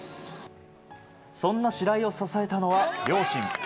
そんな白井を支えたのが両親。